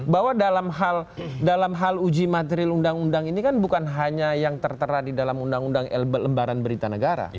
bahwa dalam hal uji materil undang undang ini kan bukan hanya yang tertera di dalam undang undang lembaran berita negara